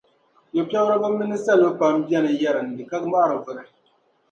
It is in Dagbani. yupiɛbiriba mini salo pam bɛni n-yɛrindi ka mɔhiri vuri.